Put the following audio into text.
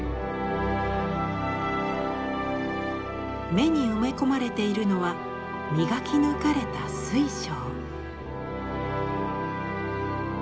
目に埋め込まれているのは磨き抜かれた水晶。